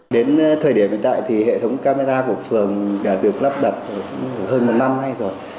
đến thời điểm hiện tại thì hệ thống camera của phường đã được lắp đặt hơn một năm nay rồi